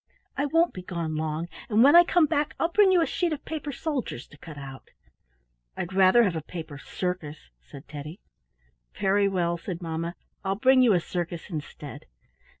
I won't be gone long, and when I come back I'll bring you a sheet of paper soldiers to cut out." "I'd rather have a paper circus," said Teddy. "Very well," said mamma, "I'll bring you a circus instead."